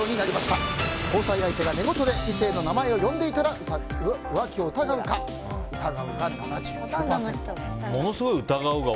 交際相手が寝言で異性の名前を呼んでいたら浮気を疑うか。